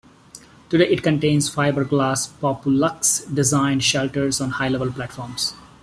Today it contains fiberglass populuxe designed shelters on high-level platforms.